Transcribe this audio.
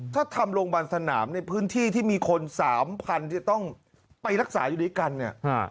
ถ้าทำโรงพยาบาลสนามในพื้นที่ที่มีคนสามพันจะต้องไปรักษาอยู่ด้วยกันเนี่ย